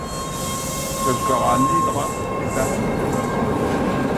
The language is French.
Ce corps anhydre est insoluble dans l'eau.